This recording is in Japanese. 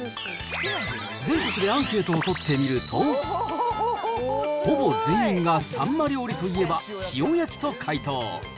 全国でアンケートを取って見ると、ほぼ全員が、サンマ料理といえば塩焼きと回答。